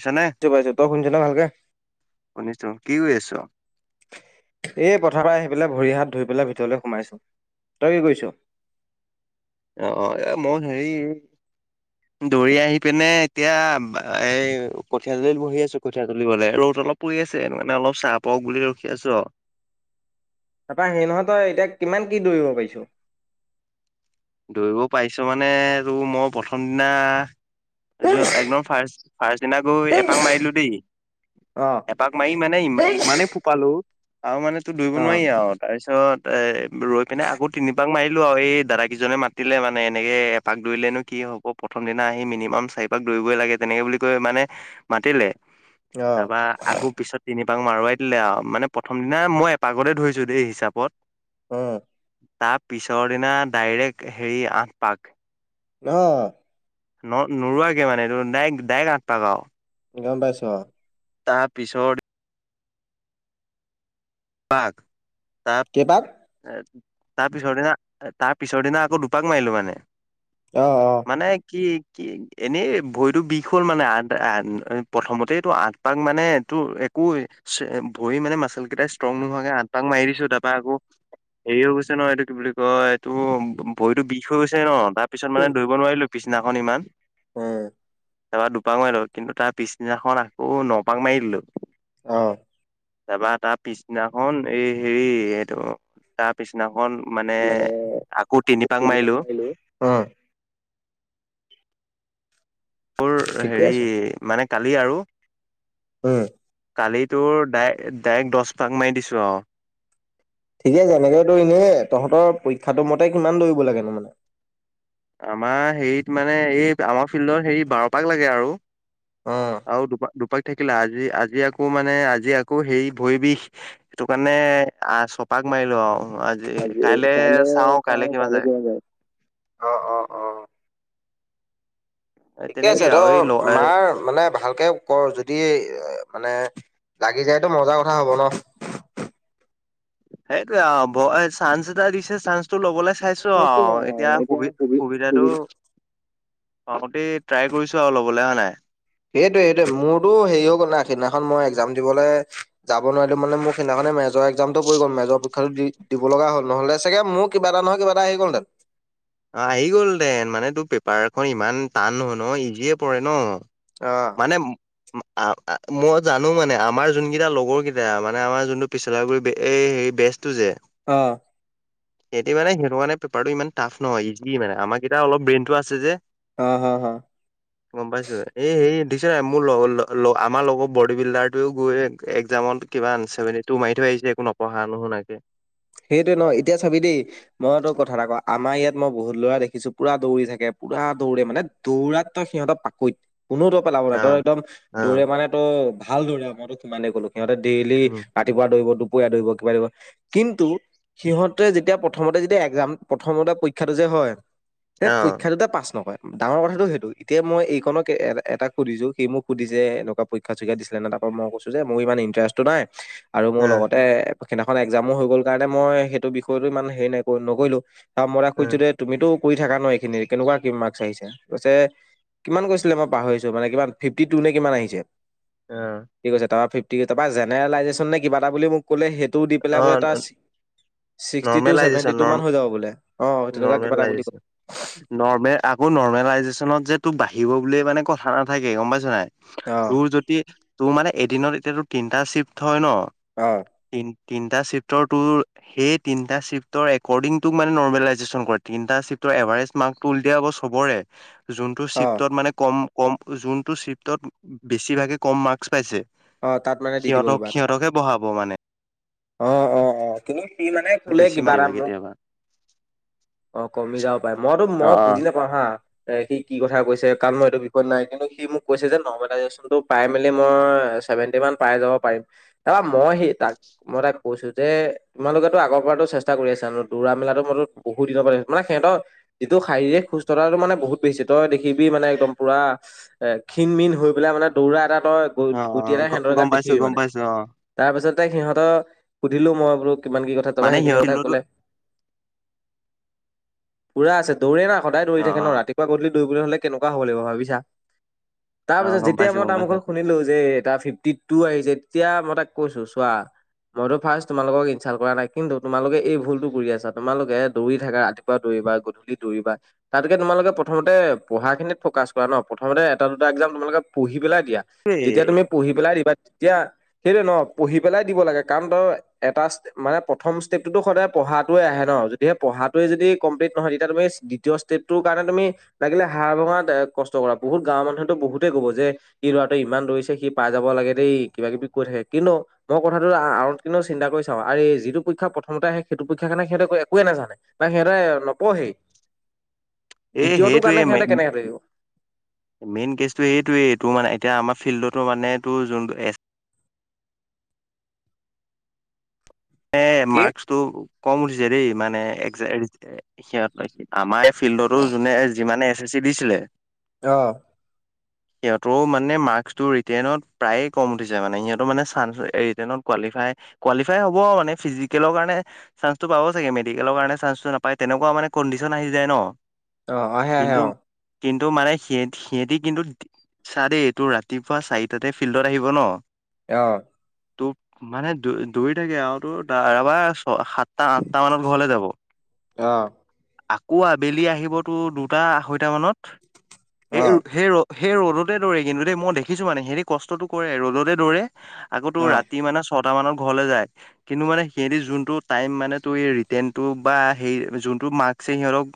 আছ নে পাইছো পাইছো তই শুনিছ ন ভালকে শুনিছো কি কৰি আছ এ পথাৰ পৰা আহি পেলাই ভৰি হাত ধুই পেলাই ভিতৰলৈ সোমাইছো তই কি কৰিছ অ এ মই সেৰি দৌৰি আহি পিনে এতিয়া এ কঠীয়া তল বহি আছো কঠিয় তলিবলে ৰ'দ অলপ পৰি আছে মানে অলপ চাহ পক বুলি ৰখি আছো অ তাৰাপৰা সেই নহয় তই এতিয়া কিমান কি দৌৰিব পাৰিছো দৌৰিব পাৰিছো মানে তটো মই প্ৰথম দিনা যোৱা একদম ফাৰ্ষট ফাৰ্ষ্ট দিনা গৈ এপাক মাৰিলো দেই অ এপাক মাৰি মানে ইমানে ফোপালো আৰু মানে তো দুৰিব নোৱাৰি আৰু তাৰপিছত এ ৰৈ পিনে আকৌ তিনিবাক মাৰিলো আৰু এই দাদ কিজনে মাতিলে মানে এনেকে এপাক দৌলেনো কি হ'ব প্ৰথম দিনা আহি মিনিমাম চাৰিপাক দৌৰিই লাগে তেনেকে বুলি মানে মাতিলে অ অ তাৰ আক পিছত এপাক মাৰোৱাই দিলে আৰু মানে প্ৰথম দিনা মই এপ আগতে ধৰিছো দেই হিচাপত অ তাৰ পিছৰ দিনা ডাইৰেক্ট হেৰি আঠ পাক ন ন নোৰোৱাকে মানে এইটো ডাইক ডাইৰেক আঠটকা গম পাইছো অ তাৰ পিছত পাক তাত কেইপাক তাৰ পিছৰ দিনা তাৰ পিছৰ দিনা আকৌ দুপাক মাৰিলো মানে। অ অ মানে কি কি এনেই ভৰিতটো বিষ হ'ল মানে আ প্ৰথমতে টো আঠ পাক মানে তোৰ একো ভৰি মানে মাচল কেইটাই ষ্ট্ৰং নোহোৱাকে আঠ পাক মাৰি দিছো তাৰ পৰা আকৌ। হেৰি হৈ গৈছে ন এইটো কি বুলি কয় এইটো বহিতো বিষ হৈ গৈছে ন। তাৰ পিছত মানে দৌৰিব নোৱাৰিলো পিছদিনাখন ইমান উম। তাৰপাৰ দুপাক মাৰিলো কিন্তু তাৰ পিছদিনাখন আকৌ ন পাক মাৰি দিলো। অ' তাৰপৰা তাৰ পিছদিনা খন এই হেৰি এইটো তাৰ পিছদিনা খন অকন মানে আকৌ তিনি পাক মাৰিলো মোৰ ঠিকে হেৰি আছে মানে কালি আৰু উম। কালি তোৰ ডাই ডাইৰেক্ট দহ পাক মাৰি দিছোঁ অ। ঠিকে আছে এনেকে দৌৰিলেহে। তহঁতৰ পৰীক্ষাটো মতে কিমান দৌৰিব লাগে? আমাৰ হেৰিত মানে এই আমাৰ ফিল্ডৰ হেৰি বাৰপাক লাগে আৰু অ আৰু দুপাক দুপাক থাকিলা আজি আজি আকৌ মানে আজি আকৌ হেই ভৰি বিষ সেইটো কাৰণে আ ছয় পাক মাৰিলো আৰু আজি। কাইলে চাওঁ কাইলে কিমান যায়? অ অ অ এ ঠিকে তেনেকে আছে ত আৰু এই ল মাৰ মানে ভালকে কৰ যদি মানে লাগি যায়তো মজাৰ কথা হ'ব ন। সেইটোৱে আৰু চাঞ্চ দিছে চাঞ্চ টো লবলৈ চাইছো আৰু এতিয়া সুবি সুবিধাটো আহোঁতে ট্ৰাই কৰিছো আৰু ল'বলৈ হয় নে নাই সেইটোৱে সেইটোৱে মোৰতো হেৰিও গ'ল না সেইদিনাখন মই এক্জাম দিবলৈ যাব নোৱাৰিলো মানে মোৰ সেইদিনাখন ম মেজৰ এক্জামতটো পৰি গ'ল মেজৰ পৰীক্ষাটো দি দিব লগা হ'ল নহ'লে চাগে মোৰ কিবা এটা নহয় কিবা এটা আহি গলহেতেন। অ আহি গ'ল দেন মানে তোৰ পেপাৰখন ইমান টান নহয় ন ইজিয়ে পৰে ন। অ। মানে উ--আ মই জানো মানে আমাৰ যোন কেইটা লগৰ কেইটা মানে আমাৰ যোনটো পিছলাগুৰি এই হেৰি বেষ্ট তু যে অ এতিয়া মানে সেইটো কাৰণে পেপাৰটো ই টাফ নহয় ইজি মানে আমাৰা কেইটা অলপ ব্ৰেইনতটো আছে যে অ হ হ। গম পাইছো এ হেই দেখিছ নাই মোৰ আমাৰ লগৰ বডী বিল্ডাৰটোৱও গৈ একজামত কিমান চেভেনটি টো মাৰি থৈ আহিলে। সি যে একো নপঢ়া নুশুনকে সেইটয়ে ন এতিয়া চাবি দেই মই তো কথা এটা কওঁ আমাৰ ইয়াত মই বহুত ল'ৰা দেখিছো পুৰা দৌৰি থাকে। পুৰা দৌৰে মানে দৌৰাত তই সিহঁতৰ পাকৈত। কোনো দৰ পেলাব নাই অ ত একদম অ দৌৰে মানে ত ভাল দৌৰে মই তোক সিমানে ক'লো। সিহঁতে ডেইলি উম ৰাতিপুৱা দৌৰিব দুপৰীয়া দৌৰিব কিবা দৌৰিব। কিন্তু সিহঁতে যেতিয়া প্ৰথমতে যেতিয়া এক্জাম প্ৰথমতে পৰীক্ষাটো যে হয় সেই অ পৰীক্ষা টোতে পাছ নকৰে। ডাঙৰ কথাটো সেইটো এতিয়া মই এইখনক এটা সুধিছো সেই মোক সুধি যে এনেকুৱা পৰীক্ষা চৰক্ষ দিছিলে নে ত মই কৈছো যে মোৰ ইমান ইণ্টাৰেষ্টটো নাই আৰু মোৰ লগতে সেইদিনাখন এক্জামো হৈ গ'ল কাৰণে মই সেইটো বিষয়টো ইমান হেৰি নাই নকৰিলো মই অ অ সুধিছো দেই তুমিতো কৰি থাকা ন এইখিনি কেনেকুৱা কি মাৰ্ক আহিছে? কিমান কৈছিলে মই পাহৰিছো মানে কিমান ফিফটি টু নে কিমান আহিছে। সি কাছে ফিফটি জেনেৰেলজেন নে কিবা এটা বুলি মোক ক'লে সেইটোও দি অ পেলাই বোলে তাৰ অ ছিক্সটি টু চেভেটি নৰ্মেলাইজেচন ন টুান হৈ যাব বোলে অ তেনেকুৱা কিবা এটা বুলি ক নৰ্মেলাইজেচন নৰ্মেল আকৌ নৰ্মেল আ ত বাঢ়িব বুল মানে কথা নাথাকে গম পাইছ নাই অ তোৰ যদি তোৰ মানে এদিনত এতিয়াাতো তিনটা চিফ্ট হয় ন আহ তিনিটা চিপ্টৰ ত সেই তিনিটা চিফ্টৰ এৰ্ডিংটোক মানে নৰ্মেলাইজেচন কৰে তিনিটা চিফটৰ এভাৰেজ মাৰ্কটো উল দিয়া আৌ চবৰে যোনটো অ চিফ্টত মানে কম কম যোনটো চিফ্টত বেছিভাগে কম মাৰ্কচ পাইছে অ তাত মানে দি দিব সিহতক কিবা এটা সিহঁতকে বহাব মানে অ অ অ কিন্তু সি মানে কলে বেছি কিবা এটা মাৰ্ক কেতিয়াবা মোক কেতিয়াবা অ কমি যাব পাৰে মইতো অ মই বুজি অ নাপাওঁ হা সি কি কথা কৈছে কাৰণ মই এইটো নাই কিন্ত সি মোক কৈছে যে [unintelligible] পাই মেলি মই চেভেন্টি মান পাই যাব পাৰিম বা মইহেই তাক মই তাক কৈছো যে, তোমালোকেতো আগৰ পৰাটো চেষ্টা কৰি আছা, দৌৰা মেলাতো মইতো বহুত দিনৰ পৰা [unintelligible] মানে সিহঁতৰ যিটো শৰীৰক সুস্থতাটো মানে বত বেচি, তই দেখিবি মানে একদম পোৰা ক্ষীণ মিন হৈ পেলাই মানে দৌৰা এটা তই অ অ গুটি এটা গ সেহেতৰ গাত গম পাইছো দেখিবি গম মানে, পাইছো অ তাৰ পিছত সিহঁতক সুধিলো মই বো কিমান কি কথা তাৰপৰা মানে সেইখিনি সিহঁত কথা ফিল্ডতো কলে পুৰা আছে দৌৰে না সদায় দৌৰি অ থাকে ন অ ৰাতিপুৱা গধূলি দৌৰিবলে হ'লে কেনেকুৱা হ'ব লাগিব ভাবিছা, তাৰ অ পিছত গম যেতিয়া পাইছো মই গম তাৰ পাইছো মুখত শুনিলো যে ফিফটি টু আহিছে তেতিয়া মই তাক কৈছো চোৱা মইতো ফাৰ্ষ্ট তোমালোকক ইনচাল কৰা নাই কিন্তু তোমালোকে এই ভুলতো কৰি আছা তোমালোকে দৌৰি থাক ৰাতিপুৱা দৌৰিবা গধুলি দৌৰিবা, তাতকে তোমালোকে প্ৰথমতে পঢ়া খিনিত ফ'কাচ কৰা ন প্ৰথমতে এটা দুটা একজাম তোমালোকে পহি পেলাই দিয়া, এই যেতিয়া তুমি পহি পেলাই দিবা, তেতিয়া সেইটোই ন পঢ়ি পেলাই দিব লাগে কাৰণ তই এটা ষ্টেপ, মানে প্ৰথম ষ্টেপ টোতো সদায় পঢ়াতোৱে আহে ন যদিহে পঢ়াটোৱে যদি কমপ্লিট নহয় তেতিয়া তুমি দ্বিতীয় ষ্টেপটোৰ কাৰণে তুমি লাগিলে হাড় ভঙা কষ্ট কৰা, বহুত গাঁৱৰ মানুহেতো বহুতে কব যে সি লৰাটো ইমান দৌৰিছে সি পাই যাব লাগে দেই কিবা কিবি কৈ থাকে কিন্তু মই কথা ৰ আঁৰত কিন্তু চিন্তা কৰি চাও আৰে যিটো পৰীক্ষা প্ৰথমতে আহে সেইটো পৰীক্ষাৰ কাৰনে সিহঁতে একোৱে নাজানে বা সিহতে নপঢ়েই [inaudible] এ দ্বিতীয়টো সেইটোৱে কাৰণে মে সিহঁতে কেনেকে ধৰিব মেইন কেছটো এইটোৱেই এইটো মানে এতিয়া আমাৰ ফিল্ডতো মানে টো যোনটো এ এ কি মাৰ্কচ টো কম উঠিছে দেই মানে এক সিহঁত লৈ আমাৰ ফিল্ডতো যোনে যিমানে এছ এছ চি দিছিলে অ [inaudible] সিহঁতৰ মানে মাৰ্কচ টো ৰীতেণত প্ৰায়ে কম উঠিছে মানে, সিহঁতৰ মানে চাঞ্চ ৰিতেনত কোৱালীফাই কোৱালিফাই হ' বা মানে ফিজিকেলৰ কাৰণে চাঞ্চতো পাব চাগে মেডিকেলৰ কাৰণে চাঞ্চতো নাপায় তেনেকুৱা মানে কণ্ডিশচন আহি যায় ন অ আহে আহে কিন্তু অ কিন্তু মানে সিহঁতি কিন্তু, চা দেই তোৰ ৰাতিপুৱা চাৰিটাতে ফিল্ডত আহিব ন আহ তোৰ মানে দৌৰি থাকে আৰু [unintelligible] আঠটা মানত ঘৰলে যাব অ আকৌ আবেলি আহিব তোৰ দুটা আঢ়ৈটামানত সেই অ সেই ৰ সেই ৰ'দতে দৌৰে কিন্তু দেই মই দেখিছোঁ মানে সিহঁতি কষ্টটো কৰে, ৰ'দতে দৌৰে আকৌ তোৰ অ ৰাতি মানে ছটা মানত ঘৰলে যায় কিন্তু মানে সিহতি যোনটো টাইম মানে ত ৰিটনটো বা যোনটো মাৰ্ক্সে সিহঁতক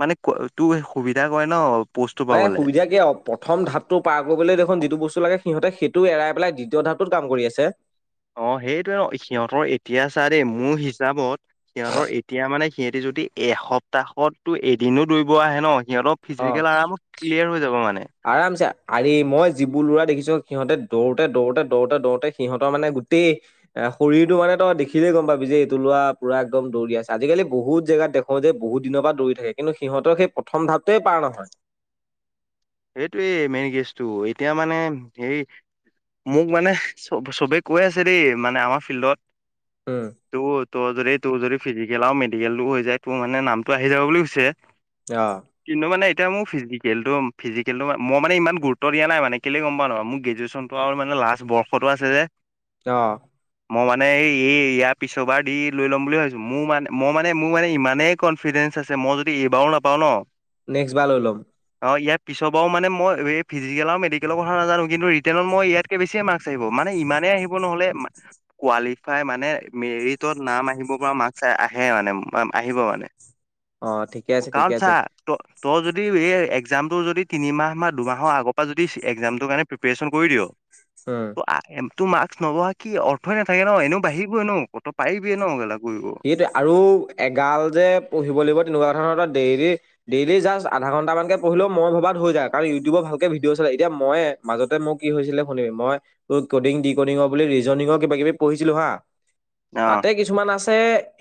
মানে ক তো সুবিধা কৰে ন প'ষ্টটো বাই পাবলে। সুবিধা কিয় অ প্ৰথম ধাততটো পাৰ কৰিবলে দেখোন যিটো বস্তু লাগে সিহঁতে সেইটো এৰাই পেলাই দ্বিতীয় ধাপটোত কাম কৰি আছে অ সেইটোয়ে ন সিহঁতৰ এতিয়া চা দেই মোৰ হিচাপত সিহঁতৰ এতিয়া মানে সিহঁতি যদি এসপ্তাহতো এদিনো দৌৰিব আহে ন সিহঁতৰ অ ফিজিকেল আৰাম ক্লিয়াৰ হৈ যাব মানে আৰামছে আৰে মই যিবোৰ লৰা দেখিছো সিহঁতে দৌৰোতে, দৌৰোতে, দৌৰোতে, দৌৰোতে সিহঁতৰ মানে গোটেই এ শৰীৰো মানে তই দেখিলেই গ'ম পাবি যে এইটো লোৱা পুৰা একদম দৌৰি আছে। আজিকালি বহুত জেগাত দেখ যে বহুত দিনৰ পৰা দৌৰি থাকে কিন্তু সিহঁতৰ সেই প্ৰথম ধাপটোৱে পাৰ নহয়। সেইটোৱে মেইন কেছটো এতিয়া মানে হেৰি মোক মানে চ চবে কৈ আছে দেই মানে আমাৰ ফিল্ডত উম ত'। ত' যদি তোৰ যদি ফিজিকেল আৰু মেডিকেল টো হৈ যায়, তোৰ মানে নামটো আহি যাব বুলি কৈছে। অ কিন্তু মানে এতিয়া মোৰ ফিজিকেল একদম। ফিজিকেল মই মানে ইমান গুৰুত্ব দিয়া নাই মান কেলে গম পা নো মোৰ গ্ৰেজুৱেশচনটো ম লাষ্ট বৰ্ষতটো আছে যে। অ'। মই মানে এই এই ইয়াৰ পিছৰবাৰ দি লৈ ল'ম বুলি ভাবছো মোৰ মানে মই মানে মোৰ মানে ইমানেই কনফিডেন্স আছে মই যদি এইবাৰো নাপাওঁ ন'। নেক্সট বাৰ লৈ লম। অ ইয়াৰ পিছৰ পৰা মানে মই এই ফিজিকেল আৰু মেডিকেলৰ কথা নাজানো কিু ৰিটেনত মই ইয়াতক বেছিয়ে মাৰ্ক আহিব মান হেই। আহিব নহ'লে কোৱালিফাই মানে মেৰিটত নাম আহিব পৰা মাৰ্ক আহে মানে। আহিব মানে অ ঠিকে আছে কাৰণ ঠিকে চা আছে তই যদি এই একজাম। তোৰ যদি তিনিমাহ বা দুমাহৰ আগৰ পৰা যদি একজাম টোৰ কাৰণে প্ৰিপেৰেশ্যন কৰি দিয় উম আহ এম। তো মাৰ্ক্স নবহা কি অৰ্থই নাথাকে ন' এনেও বাঢ়িবই নো ক তো পাৰিবি ন' কেলা। সেইটোৱে আৰু এগাল যে পঢ়িব লাগিব। তেনেকুৱা ধৰণৰ ডেইল-ডেইলি জাষ্ট আধা ঘণ্টা মান কে পঢ়িলও মই ভবাত হৈ যায় কাৰণ ইউটিউবত ভালকে ভিডিঅচ এতিয়া মই মাজতে মোক কি হৈছিলে শুনিবি মই তোৰ কডিং, ডিকডিঙৰ বুলি ৰিজনিঙৰ কিবাকিবি পঢ়িছিলো। হা অ তাতে কিছুমান আছে।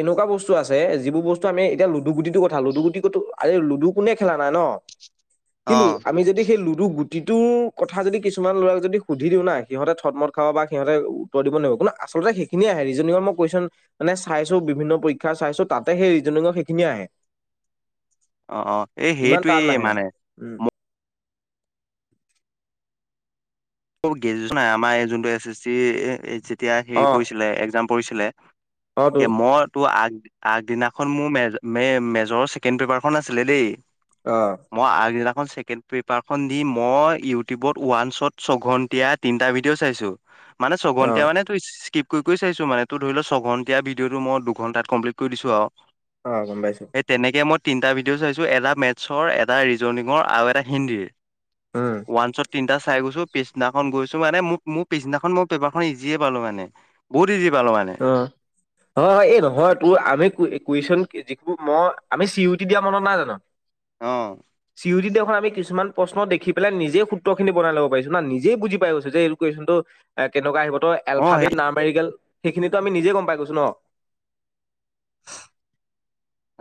এনেকুৱা বস্তু আছে যিবোৰ বস্তু আমি এতিয়া লুডু গুটিটো কথা, লুডু গুটি আ লুডু কোনে খেলা নাই ন'। কিন্তু অ'। আমি যদি সেই লু কিন্তু গুটিটোৰ কথা যদি কিছুমান ল'ৰাক যদি সুধি দিও নাই সিহঁতে থটমত খাব বা সিহঁতে উত্তৰ দিব নোৱাৰে। আচলতে সেইখিনিয়ে আহে ৰিজনিং মোক কোৱেশ্যন। মানে চাইছো বিভিন্ন পৰীক্ষা চাইছো তাতে সেই ৰিজনিঙৰ সেইখিনিয়ে আহে। অ', অ', এই ইমান টান সেইটোৱেই নাহে মানে উম। গ্ৰেজুৱেচন নাই আমাৰ যোনটো এছ এছ চি যেতিয়া হেৰি অ পৰিছিলে একজাম পৰিছিলে। অ তো কে মই তো আগ আগদিনাখন মোৰ মেজৰৰ ছেকেণ্ড পেপাৰখন আছিলে দেই। অ মই আগদিনাখন ছেকেণ্ড পেপাৰখন দি মই ইউটিউবত ওৱানঞ্চত ছঘন্টিয়া তিনিটা ভিডিঅ' চাইছো মানে অ ছঘন্টীয়া মানে তো কৰি কৰি চাইছো মান তোৰ ধৰি লও ছঘন্টীয়া ভিডিঅ'টো মই দু ঘন্টাত কমপ্লিট কৰি দিছো আৰু অ' গম পাইছো। সেই তেনেকে মই তিনিটা ভিডিঅ' চাইছো এটা মেথছৰ এটা ৰিজনঙৰ আৰু এটা হিন্দীৰ। উম ৱানঞ্চত তিনটা চাই গৈছো। পিছদিনাখন গৈছো মানে ম মোৰ পিছদিনাখন মই পেপাৰখন ইজিয়ে পালো মানে বহুত। ইজি পালো মানে অ', -অ' এই নহয় তোৰ আমি কুৱেশচন যিটো মই আমি চি ইউটি দিয়া মনত নাই জানো। অহ। চি ইউ টিত আমি কিছুমান প্ৰশ্ন দেখি পেলাই নিজে সূত্ৰখিনি বনাই ল'ব পাৰিছো না, নিজে বুজি পাই গৈছ যে এইটো কুৱেশনটো কেনেকুৱা আহিব তো অ', এলফাবেত সেই না মেৰি কেল সেইখিনিতো আমি নিজে গম পাই গৈছো ন'।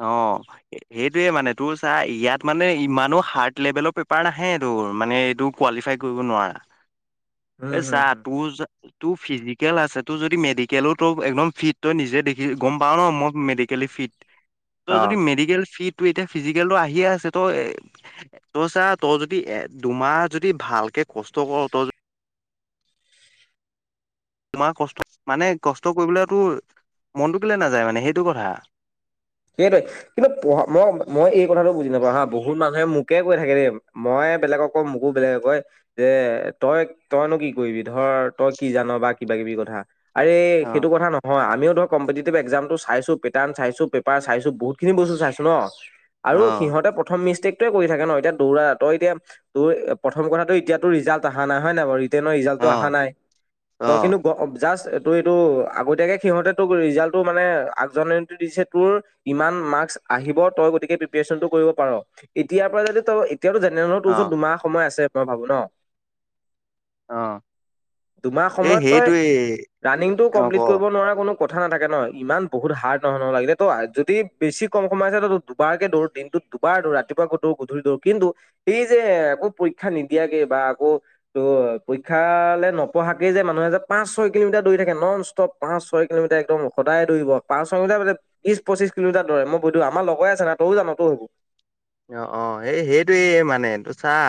অ' সেইটোয়ে মানে তোৰ চাহ ইয়াত মানে ইমানো হাৰ্ড লেভেলৰ পেপাৰ নাহে ত'। তোৰ মানে এইটো কোৱালিফাই কৰিব নোৱাৰা উম, এই হুম, চা হুম। তোৰ। তোৰ ফিজিকেল আছে তোৰ যদি মেডিকেলো ত একদম ফিট তই নিজে দেখি গম পাও ন মই মেডিকেলি ফিট। ফিট অ'। যদি মেডিকেল ফিট। ত এতিয়া ফিজিকেলটো আহিয়ে আছে, তই তই চা তই যদি এ দুমাহ যদি ভাল কে। একে কষ্টকৰ অত তোমাৰ কষ্ট মানে কষ্ট কৰিবলৈতো মনটো কেলে নাযায় মানে সেইটো কথা সেইটোৱে কিন্তু পঢ়া মই মই এই কথাটো বুজি নাপাওঁ হা বহুত মানুহে মোকে কৈ থাকে দেই মই বেলেগক মোকো বেলেগে কয় যে তই তইনো কি কৰিবি ধৰ তই কি জান বা কিব কিবি কথা আৰে অ', সেইটো কথা নহয় আমিও ধৰ কম্পিটিভ এক্জাম টো চাইছো পেটাৰ্ চাইছো চাইছো বহুত খিনি বস্তু চাইছো ন আৰু অ', সিহঁতে প্ৰথম মিষ্টেক কৰি থাকে ন এতিয়া দৌৰা তই এতিয়া তোৰ প্ৰথম কথাটো এতিয়াাতো ৰিজাল্ট অহা নাই হয় নাই বাৰু ৰিজালটো অহা অ', নাই তই অ', কিন্তু জাষ্ট তোৰ এইটো আগতীয়াকৈ সিহঁতে তোক ৰিজাল্টটো মানে আগজননীটো দিছে তোৰ ইমান মাৰ্কচ আহিব তই গতিকে প্ৰিপনটো কৰিব পাৰ এতিয়াৰ পৰা যদি তই এতিয়াতো জেনেলৰ তোৰ ওচৰত অ', দুমাহ সময় আছে মই ভাবো ন অ', দুমাহ এই সময়ত তই সেইটোৱেই ৰাণিংটো অ', ক। কমপ্লিট কৰিব নোৱাৰা কোনো কথা নাথাকে ন ইমান বহুত হাৰ্ড নহয়হ লাগিলে ত যদি বেছি কম সময় আছে ত দুবাৰকে দৌৰ দিনটোত দুবাৰ দৌ ৰাতিপুৱা গৌ গধূি দৌৰ কিন্তু এই যে আকৌ পৰীক্ষা নিদিয়াকে বা আকৌ ত পৰীক্ষালে নপঢ়াকে যে মানুহ পাঁচ ছয়িলমিটাৰ দৰি থাকে নন ষ্টপ পাঁচ ছয় কিলোমিটাৰ একদম সদায় দৌৰি পাঁচ ছয় মিটাৰ বিশ পঁচিশ কিলোমিটাৰ দৰে মই বুধো আমাৰ লগৰে আছে ন তয় জানো তই হব অ অ এই সেইটোয়ে মানে তোৰ চাহ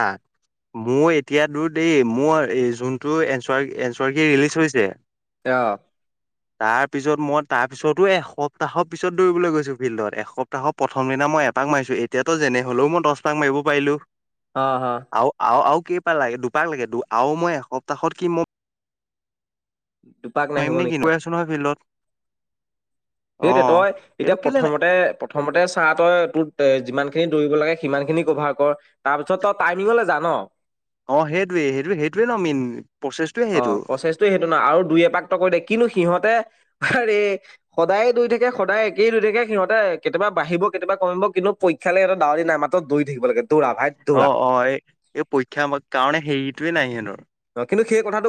মোৰ এতিয়া দু দেই মোৰ যোনটো এ এচৰ কি ৰিলিজ হৈছে অ তাৰপিছত মই তাৰপিছতো এসপ্তাহৰ পিছত দৌৰিলৈ গৈছোঁ ফিল্ডত এসপ্তাহৰ প্ৰথম দিনা মই এপাক মাৰিছোঁ এতিয়াতো যেনে হলেও মই দহপাক মাৰিব পাৰিলো অ অ আৰু কেইপাল লাগে দুপাক লাগে আৰু মই এসপ্তাহত কি মই দুপাক নাহিব নোৱাৰিম নে কি নেকি আছো নহয় ফিল্ডত অ সেইটো তই এতিয়া এইটো কেলে নাই প্ৰথমতে প্ৰথমতে চাহ তই তোৰ এ যিমান খিনি দৌৰিব লাগে সিমান খিনি কভাৰ কৰ তাৰ পিছত ত টাইমিঙলে জা ন অ সেইটোৱে সেইটোৱ সেইটোৱে মেইন প্ৰচেছটোৱে অ সেইটো। প্ৰচেছটো সেইটো নহয় আৰু দুই এপাক কৰি দিয় কিন্তু সিহঁতে আৰে সদায়ে দুই থাকে সদায় একেই দুই থাকে সিহঁতে কেতিয়াবা বাঢ়িব কেতিয়াবা কমিব কিন্তু খেলেহঁত দউৰি নাই মাত্ৰ দৌৰি থাকিব লাগে দৌৰা ভাই অ দৌৰা অ এই এই পৰীক্ষা কাৰণ সেইটোৱে নাই সেন অ কিন্তু সেই কথাটো